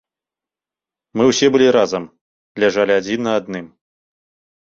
Мы ўсе былі разам, ляжалі адзін на адным.